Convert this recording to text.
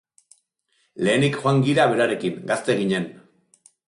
Lehenik joan gira berarekin, gazte ginen.